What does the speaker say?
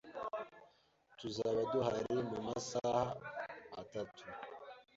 Tuzaba duhari mu masaha atatu.